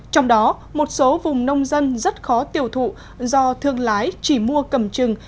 trong đó một số vùng nông dân rất khó tiêu thụ do thương lái chỉ mua cầm chừng